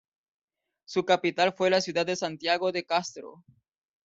Su capital fue la Ciudad de Santiago de Castro.